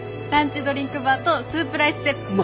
ランチドリンクバーとスープライスセット。